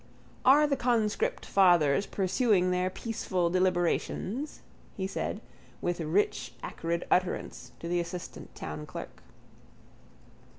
—Are the conscript fathers pursuing their peaceful deliberations? he said with rich acrid utterance to the assistant town clerk.